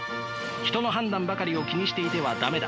人の判断ばかりを気にしていては駄目だ。